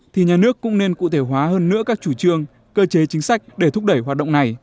thì nhà nước cũng nên cụ thể hóa hơn nữa các chủ trương cơ chế chính sách để thúc đẩy hoạt động này